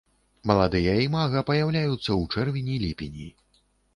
Маладыя імага паяўляюцца ў чэрвені-ліпені.